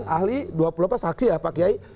tiga puluh sembilan ahli dua puluh apa saksi ya pak kiai